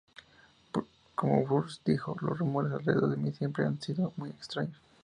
Como Burns dijo: "Los rumores alrededor de mí siempre han sido muy extraños".